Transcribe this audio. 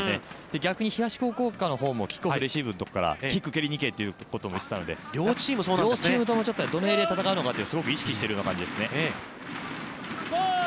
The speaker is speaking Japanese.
逆に東福岡のほうもキックオフレシーブのところからキックを蹴りに行けということを言っていたので、両チームとも、どのエリアで戦うのかすごく意識している感じですね。